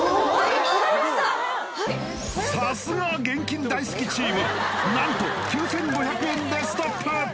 さすが現金大好きチーム何と９５００円でストップ！